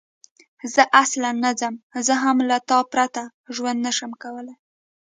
زه اصلاً نه ځم، زه هم له تا پرته ژوند نه شم کولای.